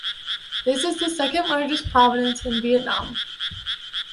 This is the second-largest province of Vietnam.